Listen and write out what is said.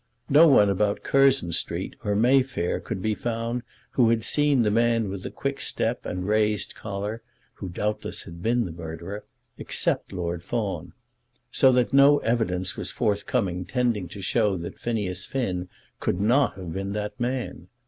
No one about Curzon Street or Mayfair could be found who had seen the man with the quick step and raised collar, who doubtless had been the murderer, except Lord Fawn, so that no evidence was forthcoming tending to show that Phineas Finn could not have been that man.